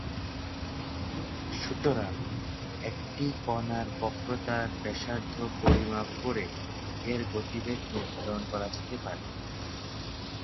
সুতরাং, একটি কণার বক্রতার ব্যাসার্ধ পরিমাপ করে, এর গতিবেগ নির্ধারণ করা যেতে পারে।